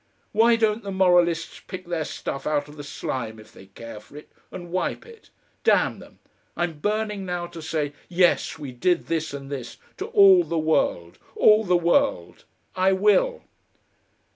Why don't the moralists pick their stuff out of the slime if they care for it, and wipe it? damn them! I am burning now to say: 'Yes, we did this and this,' to all the world. All the world!... I will!"